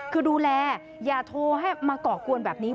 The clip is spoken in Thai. คือดูแลอย่าโทรให้มาก่อกวนแบบนี้